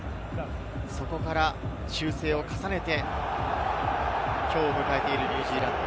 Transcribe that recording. そこから修正を重ねて、きょうを迎えているニュージーランド。